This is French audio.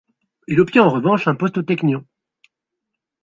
Il obtient en revanche un poste au Technion.